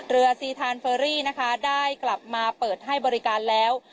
ซีทานเฟอรี่นะคะได้กลับมาเปิดให้บริการแล้ว